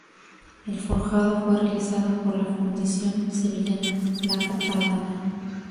El forjado fue realizado por la fundición sevillana La Catalana.